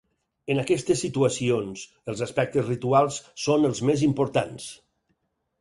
En aquestes situacions, els aspectes rituals són els més importants.